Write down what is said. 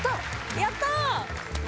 やった。